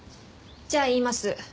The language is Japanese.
じゃあ言います。